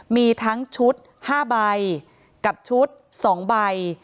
มีทั้งชุด๕ใบกับชุด๒ใบ